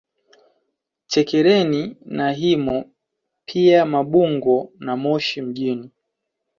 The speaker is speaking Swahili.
Chekereni na Himo pia Mabungo na Moshi mjini